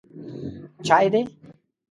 _چای دی؟